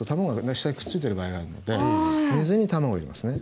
下にくっついてる場合があるので水に卵を入れますね。